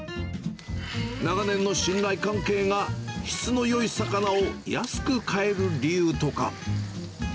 長年の信頼関係が質のよい魚を安く買える理由とか。